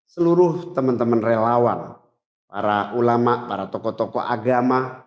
seluruh teman teman relawan para ulama para tokoh tokoh agama